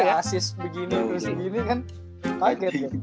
asis begini terus begini kan pake